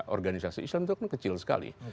organisasi islam itu kan kecil sekali